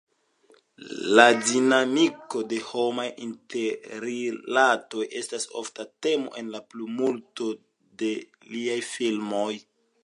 La dinamiko de homaj interrilatoj estas ofta temo en la plejmulto de liaj filmoj.